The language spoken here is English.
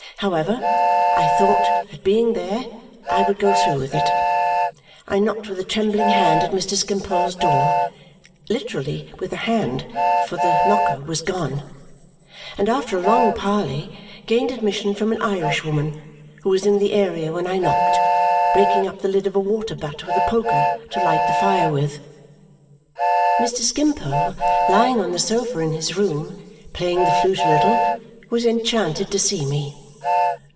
However, I thought that being there, I would go through with it. I knocked with a trembling hand at Mr. Skimpole's door literally with a hand, for the knocker was gone and after a long parley gained admission from an Irishwoman, who was in the area when I knocked, breaking up the lid of a water butt with a poker to light the fire with. Mr. Skimpole, lying on the sofa in his room, playing the flute a little, was enchanted to see me.